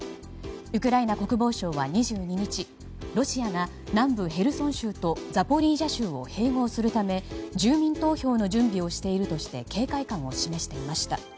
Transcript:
ウクライナ国防省は２２日ロシアが南部ヘルソン州とザポリージャ州を併合するため住民投票の準備をしていると警戒感を示していました。